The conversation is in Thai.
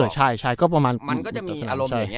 มันก็จะมีอารมณ์อย่างเงี้ย